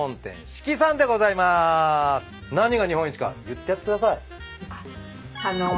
何が日本一か言ってやってください。